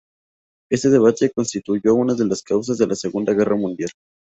Este debate constituyó una de las causas de la Segunda Guerra Mundial.